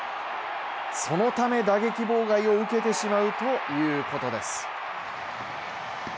そのため、打撃妨害を受けてしまうということです。